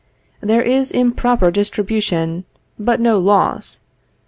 There is improper distribution, but no loss.